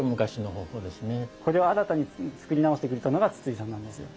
これを新たに作り直してくれたのが筒井さんなんですよ。